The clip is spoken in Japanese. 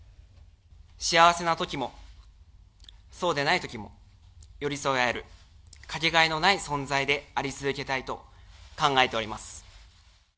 幸せなときも、そうでないときも、寄り添い合える、掛けがえのない存在であり続けたいと考えております。